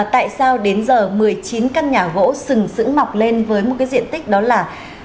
tại sao đến giờ một mươi chín căn nhà gỗ sừng sữ mọc lên với một cái diện tích đó là